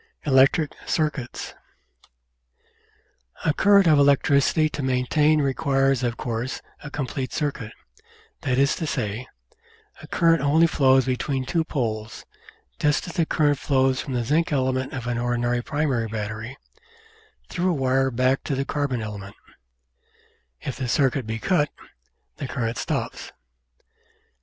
Electric Circuits A current of electricity to be maintained requires of course a complete circuit, that is to say, a current only flows between two poles, just as a current flows from the zinc element of an ordinary primary battery through a wire back to the carbon ele ment; if the circuit be cut, the current stops.